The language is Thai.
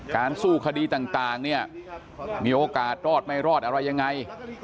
สู้คดีต่างเนี่ยมีโอกาสรอดไม่รอดอะไรยังไง